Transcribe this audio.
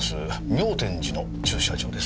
妙典寺の駐車場です。